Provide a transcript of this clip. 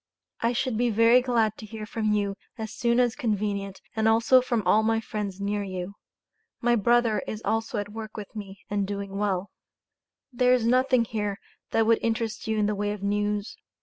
I should be very glad to hear from you as soon as convenient and also from all of my friends near you. My Brother is also at work with me and doing well. There is nothing here that would interest you in the way of news.